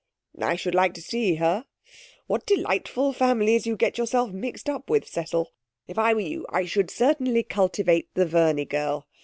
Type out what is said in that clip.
'I should like to see her; what delightful families you get yourself mixed up with, Cecil! If I were you I should certainly cultivate the Verney girl.